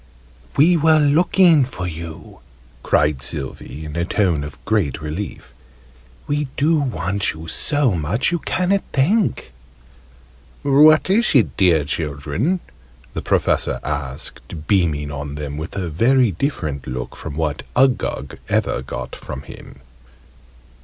"We were looking for you!" cried Sylvie, in a tone of great relief. "We do want you so much, you ca'n't think!" "What is it, dear children?" the Professor asked, beaming on them with a very different look from what Uggug ever got from him.